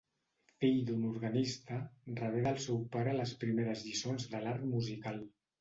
Fill d'un organista, rebé del seu pare les primeres lliçons de l'art musical.